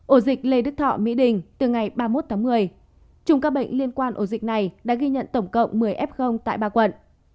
ổ dịch lê đức thọ mỹ đình từ ngày ba mươi một tháng một mươi chung các bệnh liên quan ổ dịch này đã ghi nhận tổng cộng một mươi f tại ba quận